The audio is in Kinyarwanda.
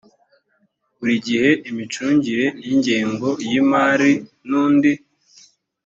buri gihe imicungire y ingengo y imari n undi